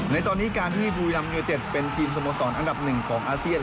ในตอนนี้การที่บุรีรัมยูเต็ดเป็นทีมสโมสรอันดับหนึ่งของอาเซียน